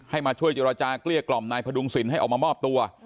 มาช่วยเจรจาเกลี้ยกล่อมนายพดุงศิลปให้ออกมามอบตัว